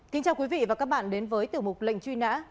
kính chào quý vị và các bạn đến với tiểu mục lệnh truy nã